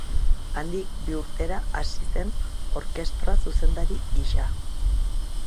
Handik bi urtera hasi zen orkestra-zuzendari gisa.